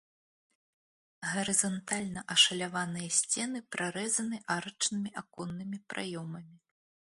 Гарызантальна ашаляваныя сцены прарэзаны арачнымі аконнымі праёмамі.